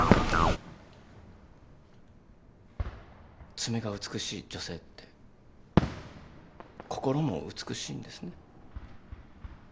爪が美しい女性って心も美しいんですね。